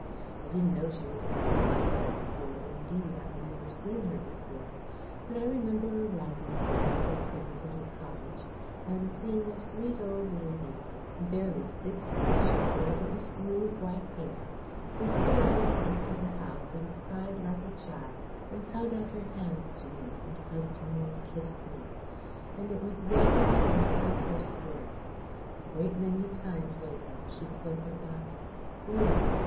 I didn't know she was Aunt Emma then for, indeed, I had never seen her before; but I remember arriving there at her pretty little cottage, and seeing a sweet old lady barely sixty, I should say, but with smooth white hair, who stood on the steps of the house and cried like a child, and held out her hands to me, and hugged me and kissed me. And it was there that I learned my first word. A great many times over, she spoke about "Una."